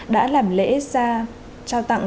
đã làm lễ ra trao tặng